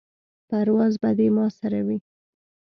پرواز به دې ما سره وي.